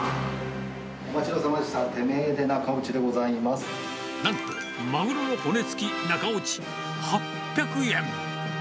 お待ちどおさまでした、なんとマグロの骨付き中落ち８００円。